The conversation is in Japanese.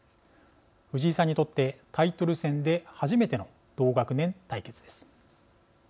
藤井さんにとってタイトル戦で初めての同学年対決です。